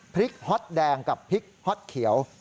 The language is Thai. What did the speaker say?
ฮอตแดงกับพริกฮอตเขียว